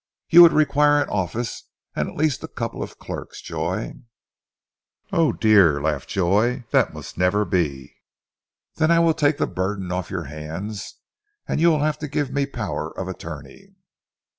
"You would require an office and at least a couple of clerks, Joy." "Oh dear!" laughed Joy, "that must never be." "Then I will take the burden off your hands, and you will have to give me power of attorney."